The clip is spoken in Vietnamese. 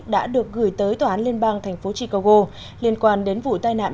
đã được gửi tới tòa án liên bang tp chicago liên quan đến vụ tai nạn